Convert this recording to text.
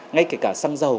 ngay kể cả xăng dầu